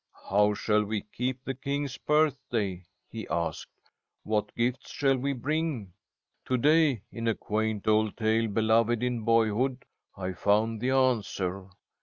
"How shall we keep the King's birthday?" he asked. "What gifts shall we bring? To day in a quaint old tale, beloved in boyhood, I found the answer.